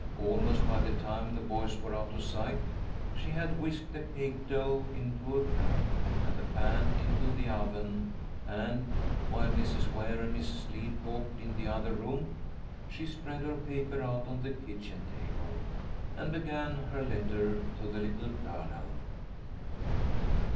Almost by the time the boys were out of sight, she had whisked the cake dough into a pan, and the pan into the oven, and, while Mrs. Ware and Mrs. Lee talked in the other room, she spread her paper out on the kitchen table, and began her letter to the Little Colonel.